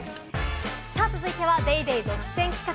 続いては『ＤａｙＤａｙ．』独占企画。